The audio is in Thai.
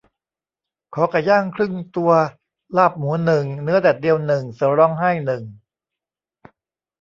ขอไก่ย่างครึ่งตัว ลาบหมูหนึ่ง เนื้อแดดเดียวหนึ่ง เสือร้องไห้หนึ่ง